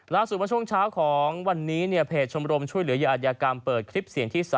ล่าสุดมาช่วงเช้าของวันนี้เนี่ยเพจชมรมช่วยเหลือเยี่ยงอัธยากรรมเปิดคลิปเสียงที่๓